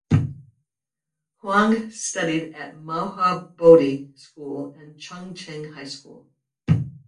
Huang studied at Maha Bodhi School and Chung Cheng High School.